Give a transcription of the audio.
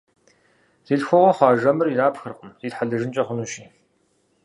Зи лъхуэгъуэ хъуа жэмыр ирапхыркъым, зитхьэлэжынкӀэ хъунущи.